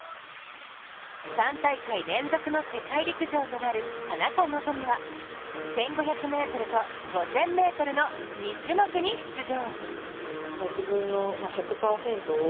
３大会連続の世界陸上となる田中希実は１５００ｍと５０００ｍの２種目の出場。